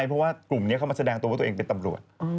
เพราะว่ากลุ่มนี้เข้ามาแสดงตัวว่าตัวเองเป็นตำรวจ